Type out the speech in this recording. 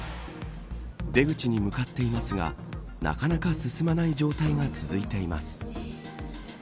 出口に向かっていますがなかなか進まない状態が続いています。